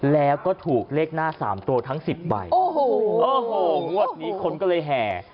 แล้วก็ถูกเลขหน้า๓ตัวทั้ง๑๐ใบโอ้โหงวดนี้คนก็เลยแห่